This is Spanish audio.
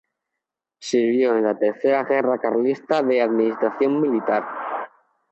Sirvió en la Tercera Guerra Carlista en la Administración militar.